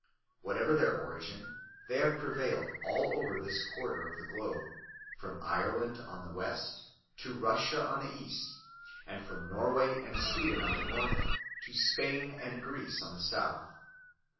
Whatever their origin, they have prevailed all over this quarter of the globe, from Ireland on the west to Russia on the east, and from Norway and Sweden on the north to Spain and Greece on the south.